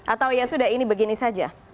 atau ya sudah ini begini saja